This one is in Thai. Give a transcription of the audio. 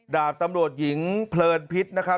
ดาบตำรวจหญิงเพิศพิษนะคะ